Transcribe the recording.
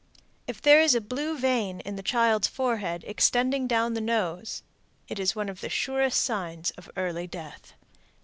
If there is a blue vein in the child's forehead extending down upon the nose, it is one of the surest signs of early death.